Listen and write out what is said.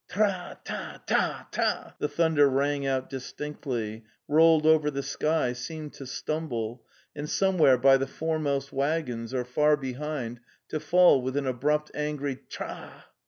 "Trrah! tah! tah! tah!" the thunder rang out distinctly, rolled over the sky, seemed to stumble, and somewhere by the foremost waggons or far behind to fall with an abrupt angry " Trrra!"